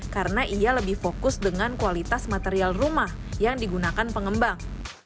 karena ia lebih fokus dengan kualitas material rumah yang digunakan pengembang